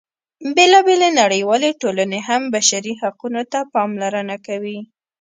بېلا بېلې نړیوالې ټولنې هم بشري حقونو ته پاملرنه کوي.